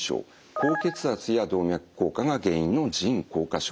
高血圧や動脈硬化が原因の腎硬化症。